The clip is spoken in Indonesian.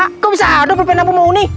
kok bisa aduh pulpen apa mau nih